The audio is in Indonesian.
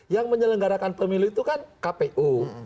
yang menyelenggarakan pemilu itu kan kpu